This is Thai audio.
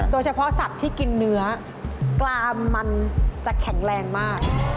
โดยเฉพาะสัตว์ที่กินเนื้อกลามันจะแข็งแรงมาก